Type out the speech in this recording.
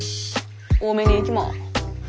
多めに行きます。